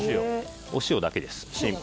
お塩だけです。